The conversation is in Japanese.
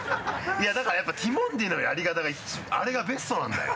いやだからやっぱティモンディのやり方があれがベストなんだよ。